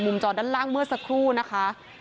จอด้านล่างเมื่อสักครู่นะคะ